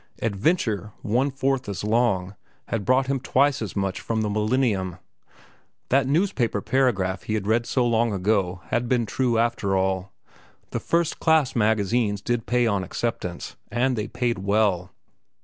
"Adventure," one fourth as long, had brought him twice as much from The Millennium. That newspaper paragraph he had read so long ago had been true, after all. The first class magazines did not pay on acceptance, and they paid well.